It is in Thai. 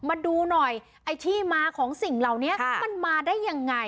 มาดูหน่อยไอ้ที่มาของสิ่งเหล่านี้มันมาได้ยังไง